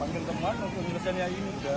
panggil teman untuk nulisannya ini